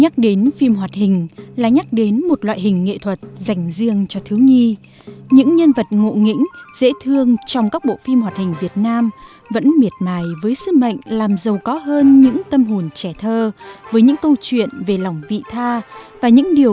các bạn hãy đăng ký kênh để ủng hộ kênh của chúng mình nhé